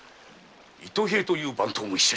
糸平という番頭も居た。